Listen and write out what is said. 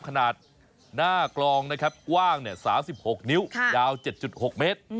ขนาดหน้ากลองนะครับกว้าง๓๖นิ้วยาว๗๖เมตร